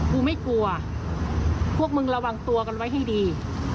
กูไม่กลัวพวกมึงระวังตัวกันไว้ให้ดี